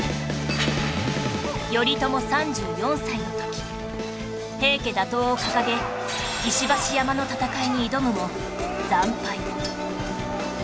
頼朝３４歳の時平家打倒を掲げ石橋山の戦いに挑むも惨敗